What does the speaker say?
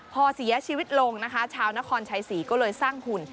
พอเสียชีวิตลงนะคะชาวนครชัยศรีก็เลยสร้างหุ่น